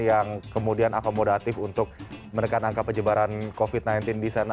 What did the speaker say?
yang kemudian akomodatif untuk menekan angka penyebaran covid sembilan belas di sana